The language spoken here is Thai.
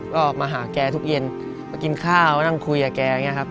ก็มาหาแกทุกเย็นมากินข้าวนั่งคุยกับแก